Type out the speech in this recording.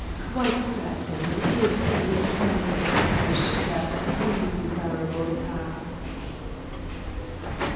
"Quite certain, if we can accomplish that highly desirable task."